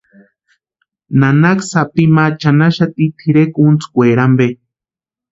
Nanaka sapi ma chʼanaxati tʼirekwa úntskweeri ampe.